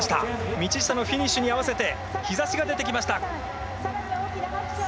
道下のフィニッシュに合わせて、日ざしが出てきました。